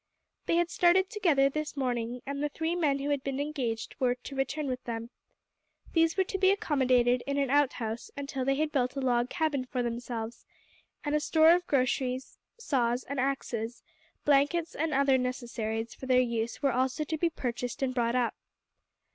They had started together this morning, and the three men who had been engaged were to return with them. These were to be accommodated in an outhouse until they had built a log cabin for themselves, and a store of groceries, saws and axes, blankets, and other necessaries for their use were also to be purchased and brought up.